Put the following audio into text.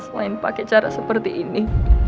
selain pakai cara seperti ini